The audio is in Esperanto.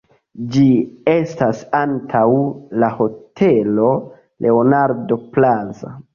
Ĝi estas antaŭ la Hotelo Leonardo Plaza.